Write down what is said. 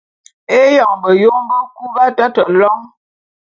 Éyoň beyom bekub b’atate lôň.